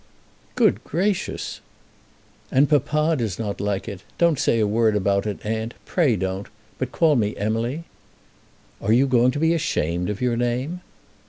"Good gracious!" "And papa does not like it. Don't say a word about it, aunt; pray don't; but call me Emily." "Are you going to be ashamed of your name?"